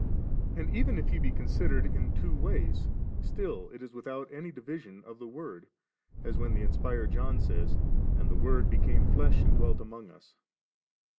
And even if He be considered in two ways', still it is without any division of the Word, as when the inspired John says, *And the Word became flesh, and dwelt among us 3.'